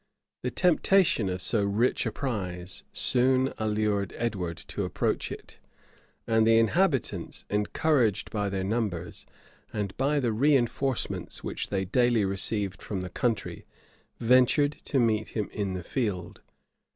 The temptation of so rich a prize soon allured Edward to approach it; and the inhabitants, encouraged by their numbers, and by the reënforcements which they daily received from the country, ventured to meet him in the field.